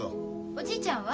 おじいちゃんは？